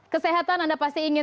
kesehatan anda pasti ingin